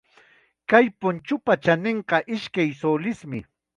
Kay punchupa chaninqa ishkay sulismi.